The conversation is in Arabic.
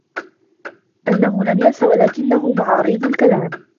أَنَّهُ لَمْ يَنْسَ وَلَكِنَّهُ مَعَارِيضُ الْكَلَامِ